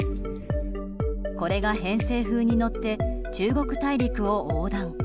これが、偏西風に乗って中国大陸を横断。